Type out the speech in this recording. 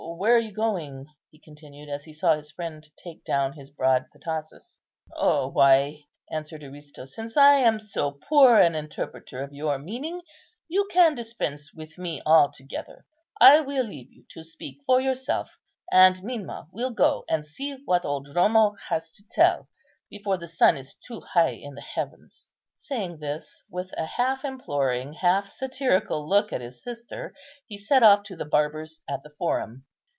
Where are you going?" he continued, as he saw his friend take down his broad petasus. "Why," answered Aristo, "since I am so poor an interpreter of your meaning, you can dispense with me altogether. I will leave you to speak for yourself, and meanwhile will go and see what old Dromo has to tell, before the sun is too high in the heavens." Saying this, with a half imploring, half satirical look at his sister, he set off to the barber's at the Forum.